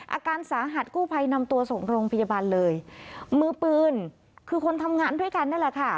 อาการสาหัสกู้ภัยนำตัวส่งโรงพยาบาลเลยมือปืนคือคนทำงานด้วยกันนั่นแหละค่ะ